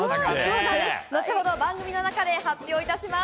後ほど番組の中で発表致します。